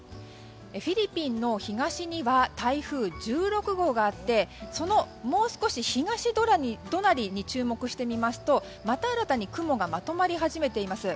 フィリピンの東には台風１６号があってもう少し東隣に注目してみますとまた新たに雲がまとまり始めています。